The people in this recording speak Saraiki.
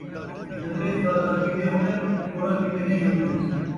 جن٘درے سادھاں کیتے ہون٘دن، چوراں کیتے نئیں ہون٘دے